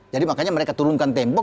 jadi makanya mereka turunkan tempo